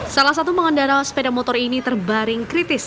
salah satu pengendara sepeda motor ini terbaring kritis